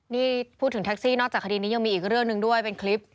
นี่พูดถึงแท็กซี่นอกจากคดีนี้ยังมีอีกเรื่องหนึ่งด้วยเป็นคลิป